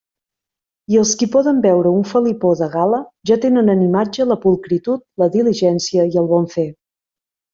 I els qui poden veure un felipó de gala, ja tenen en imatge la pulcritud, la diligència i el bon fer.